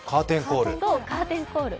カーテンコール。